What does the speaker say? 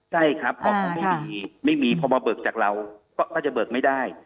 ใช่ครับบอกเขาไม่มีไม่มีพอมาเบิกจากเราก็จะเบิกไม่ได้